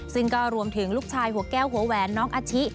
ซึ่งก็รวมถึงลูกชายหัวแก้วหัวแหวนน้องอาชิ